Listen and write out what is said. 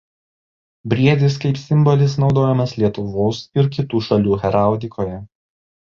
Briedis kaip simbolis naudojamas Lietuvos ir kitų šalių heraldikoje.